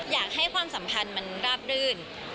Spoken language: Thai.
อยากให้ความสัมพันธ์มันราบรื่น